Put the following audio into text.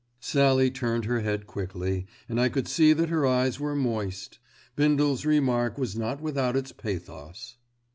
Sallie turned her head quickly, and I could see that her eyes were moist. Bindle's remark was not without its pathos.